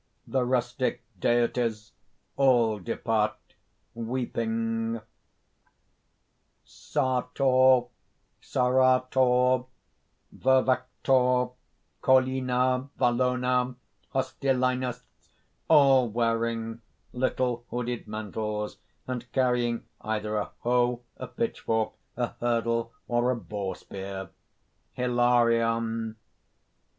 _ _The rustic deities all depart, weeping: Sartor, Sarrator, Vervactor, Collina, Vallona, Hostilinus all wearing little hooded mantles, and carrying either a hoe, a pitchfork, a hurdle, or a boar spear._) HILARION.